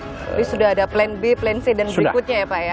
jadi sudah ada plan b plan c dan berikutnya ya pak ya